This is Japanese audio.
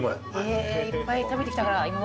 へぇいっぱい食べてきたから今まで。